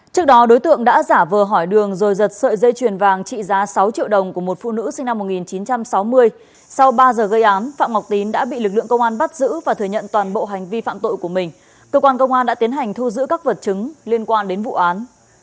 trước đó đối tượng đã giả vờ hỏi đường rồi giật sợi dây chuyền vàng trị giá sáu triệu đồng của một phụ nữ sinh năm một nghìn chín trăm sáu mươi sau ba giờ gây án phạm ngọc tín đã bị lực lượng công an bắt giữ và thừa nhận toàn bộ hành vi phạm tội của mình cơ quan công an đã tiến hành thu giữ các vật chứng liên quan đến vụ án